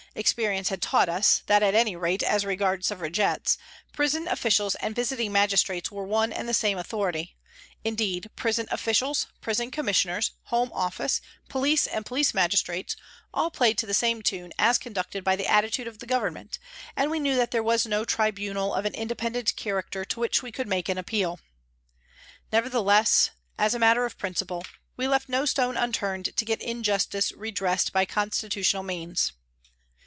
Ex perience had taught us that, at any rate as regards Suffragettes, prison officials and Visiting Magistrates were one and the same authority, indeed prison officials, Prison Commissioners, Home Office, police, and police Magistrates, all played to the same tune as conducted by the attitude of the Government, and we knew that there was no tribunal of an indepen dent character to which we could make appeal. Nevertheless, as a matter of principle, we left no stone unturned to get injustice redressed by con " A TRACK TO THE WATER'S EDGE " 149 stitutional means.